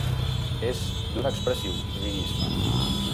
És d'un expressiu lirisme.